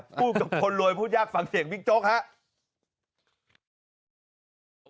พูดกับคนรวยพูดยากฟังเสียงบิ๊กโจ๊กครับ